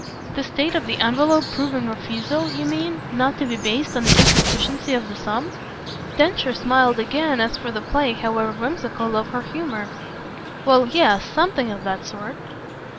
"The state of the envelope proving refusal, you mean, not to be based on the insufficiency of the sum?" Densher smiled again as for the play, however whimsical, of her humour. "Well yes something of that sort."